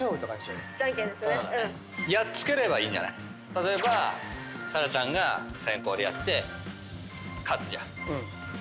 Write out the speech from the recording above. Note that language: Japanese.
例えば紗来ちゃんが先攻でやって勝つじゃん。